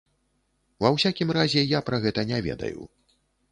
Ва ўсякім разе, я пра гэта не ведаю.